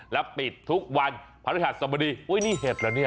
และปิดทุกวันภารกิจศาสตร์บดีอุ้ยนี่เห็ดแล้วเนี่ย